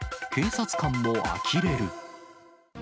警察官もあきれる。